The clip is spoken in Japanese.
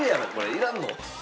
いらんの？